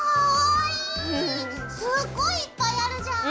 すっごいいっぱいあるじゃん。